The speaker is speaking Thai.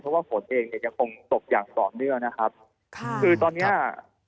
เพราะว่าฝนเองเนี่ยยังคงตกอย่างต่อเนื่องนะครับค่ะคือตอนเนี้ย